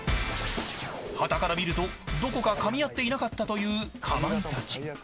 はたから見るとどこかかみ合っていなかったという、かまいたち。